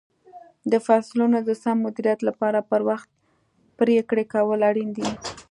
د فصلونو د سم مدیریت لپاره پر وخت پرېکړې کول اړین دي.